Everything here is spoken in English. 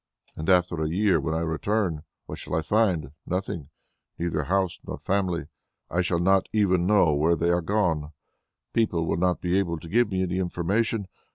And after a year, when I return, what shall I find? Nothing, neither house, nor family! I shall not even know where they are gone; people will not be able to give me any information.